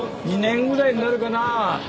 ２年ぐらいになるかな。